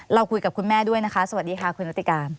เราคุยกับคุณแม่ด้วยนะคะสวัสดีค่ะคุณนุติการ